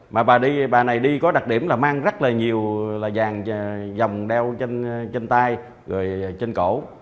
mà bà đi bà này đi có đặc điểm là mang rất là nhiều là vàng dòng đeo trên tay rồi trên cổ